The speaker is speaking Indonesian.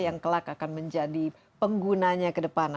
yang kelak akan menjadi penggunanya ke depan